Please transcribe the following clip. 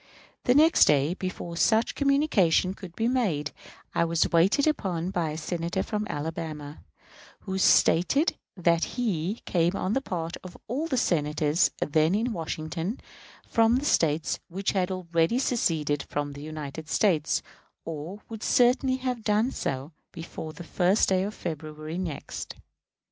The next day, before such communication could be made, I was waited upon by a Senator from Alabama, who stated that he came on the part of all the Senators then in Washington from the States which had already seceded from the United States, or would certainly have done so before the 1st day of February next.